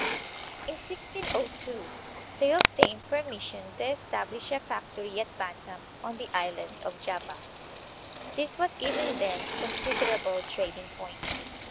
In 1602 they obtained permission to establish a factory at Bantam, on the island of Java. This was even then a considerable trading point.